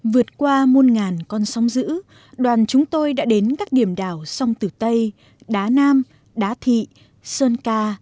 vượt qua muôn ngàn con sông dữ đoàn chúng tôi đã đến các điểm đảo sông tử tây đá nam đá thị sơn ca